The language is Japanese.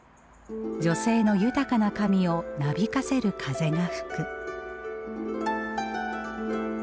「女性の豊かな髪をなびかせる風が吹く」。